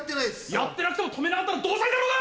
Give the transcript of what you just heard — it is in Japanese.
やってなくても止めなかったら同罪だろうが！